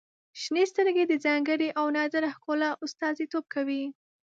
• شنې سترګې د ځانګړي او نادره ښکلا استازیتوب کوي.